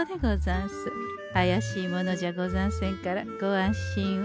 あやしい者じゃござんせんからご安心を。